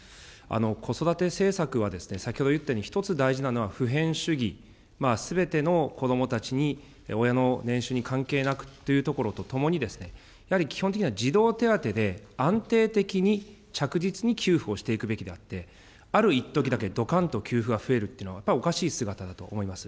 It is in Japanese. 子育て政策は、先ほど言ったように、一つ大事なのは、普遍主義、すべての子どもたちに親の年収に関係なくというところとともに、やはり基本的には児童手当で、安定的に着実に給付をしていくべきであって、あるいっときだけ、どかんと給付が増えるっていうのは、やはりおかしい姿だと思います。